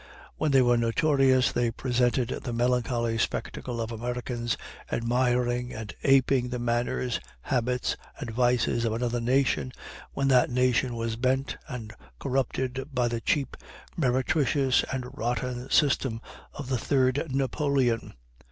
When they were notorious they presented the melancholy spectacle of Americans admiring and aping the manners, habits, and vices of another nation, when that nation was bent and corrupted by the cheap, meretricious, and rotten system of the third Napoleon.